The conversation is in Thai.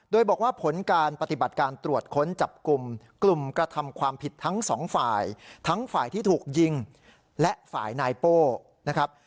โดยบอกว่าผลการปฏิบัติการตรวจค้นจับกลุ่มกลุ่มกระทำความผิดทั้งสองฝ่ายทั้งฝ่ายที่ถูกยิงและฝ่ายนายโป้นะครับ